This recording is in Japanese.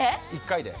１回で。